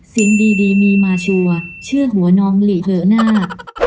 สิ่งดีมีมาชัวร์เชื่อหัวน้องหลีเหอะหน้า